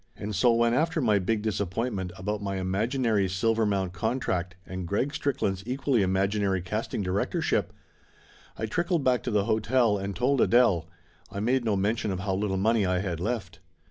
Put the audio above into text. And so when after my big disap pointment about my imaginary Silvermount contract and Greg Strickland's equally imaginary casting di rectorship, I trickled back to the hotel and told Adele, I made no mention of how little money I had left.